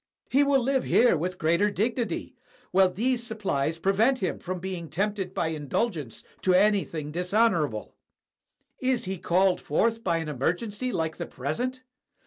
He will live here with greater dignity, while these supplies prevent him from being tempted by indulgence to anything dishonorable. Is he called forth by an emergency like the present?